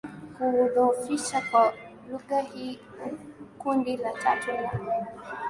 kuudhoofisha kwa lugha hii Kundi la tatu la